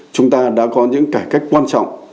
chúng ta đã có những cải cách quan trọng